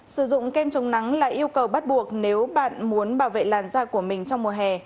sử dụng kem chống nắng là yêu cầu bắt buộc nếu bạn muốn bảo vệ làn da của mình trong mùa hè